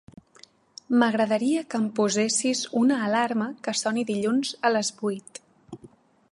M'agradaria que em posessis una alarma que soni dilluns a les vuit.